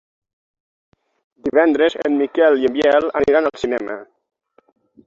Divendres en Miquel i en Biel aniran al cinema.